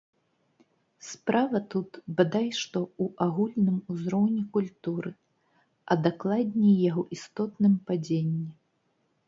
Справа тут, бадай што, у агульным узроўні культуры, а дакладней яго істотным падзенні.